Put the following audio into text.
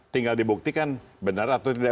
tinggal dibuktikan benar atau tidak